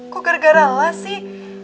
kok gara gara elu lah sih